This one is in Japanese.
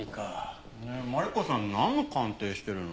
マリコさんなんの鑑定してるの？